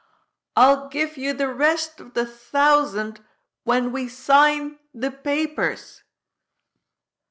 "I'll give you the rest of the thousand when we sign the papers."